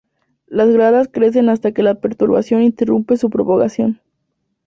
Las gradas crecen hasta que la perturbación interrumpe su propagación.